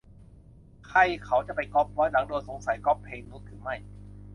ใครเขาจะไปก๊อปวะ หลังโดนสงสัย ก๊อปเพลงนุชหรือไม่